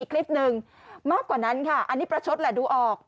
คลิปหนึ่งมากกว่านั้นค่ะอันนี้ประชดแหละดูออก